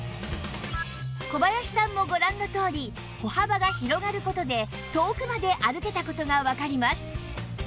小林さんもご覧のとおり歩幅が広がる事で遠くまで歩けた事がわかります